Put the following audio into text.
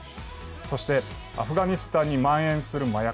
そしてアフガニスタンのまん延する麻薬。